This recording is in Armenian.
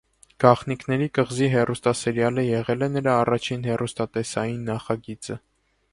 Գաղտնիքների կղզի հեռուստասերիալը եղել է նրա առաջին հեռուստատեսային նախագիծը։